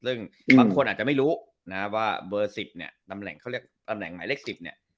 ซึ่งบางคนอาจจะไม่รู้นะว่าเบอร์๑๐เนี่ยตำแหน่งเขาเรียกตำแหน่งหมายเลข๑๐เนี่ย